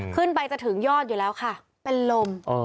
ขึ้นไปจะถึงยอดอยู่แล้วค่ะเป็นลม